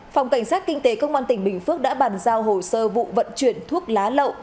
phòng cảnh sát kinh tế công an tỉnh bình phước đã bàn giao hồ sơ vụ vận chuyển thuốc lá lậu